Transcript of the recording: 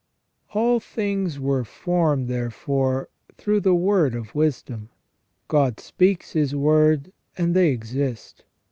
* All things were formed, therefore, through the Word of Wisdom. God speaks His word, and they exist.